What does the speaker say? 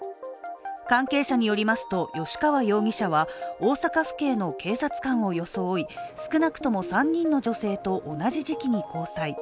関係者によりますと吉川容疑者は大阪府警の警察官を装い、少なくとも３人の女性と同じ時期に交際。